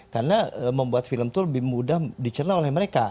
karena membuat film itu lebih mudah dicerna oleh mereka